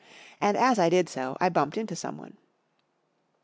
And, as I did so, I bumped into someone.